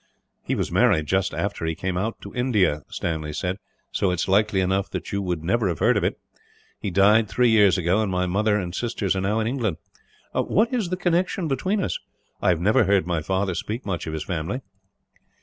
"He was married just after he came out to India," Stanley said; "so it is likely enough that you would never have heard of it. He died three years ago, and my mother and sisters are now in England. What is the connection between us? I have never heard my father speak much of his family."